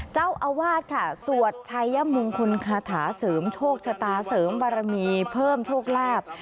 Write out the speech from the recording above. เจ้าอาวาสค่ะสวดชัยมงคลคาถาเสริมโชคชะตาเสริมบารมีเพิ่มโชคลาภ